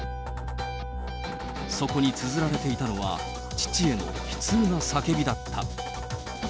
そこにつづられていたのは、父への悲痛な叫びだった。